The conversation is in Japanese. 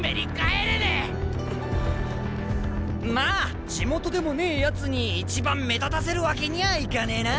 まあ地元でもねえやつに一番目立たせるわけにゃいかねえな。